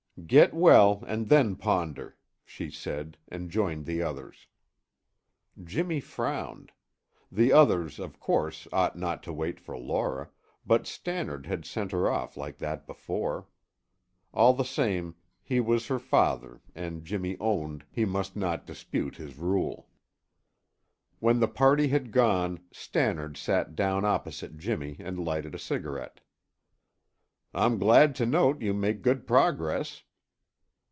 "Get well and then ponder," she said and joined the others. Jimmy frowned. The others, of course, ought not to wait for Laura, but Stannard had sent her off like that before. All the same, he was her father and Jimmy owned he must not dispute his rule. When the party had gone, Stannard sat down opposite Jimmy and lighted a cigarette. "I'm glad to note you make good progress."